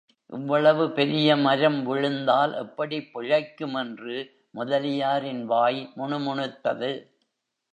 இவ்வளவு பெரிய மரம் விழுந்தால், எப்படிப் பிழைக்கும்? என்று முதலியாரின் வாய் முணுமுணுத்தது.